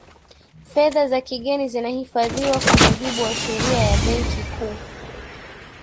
fedha za kigeni zinahifadhiwa kwa mujibu wa sheria ya benki kuu